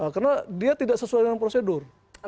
karena dia tidak sesuai dengan prosedur